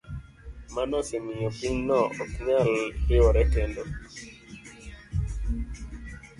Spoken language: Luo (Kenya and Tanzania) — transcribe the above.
Mano osemiyo piny no ok nyal riwore kendo.